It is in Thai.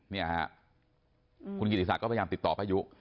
เนี่ยฮะคุณกิจศาสตร์ก็พยายามติดต่อปะยุ